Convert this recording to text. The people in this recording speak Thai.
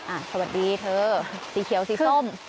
สวัสดีเธอสีเขียวสีส้ม